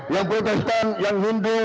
yang protestan yang hindu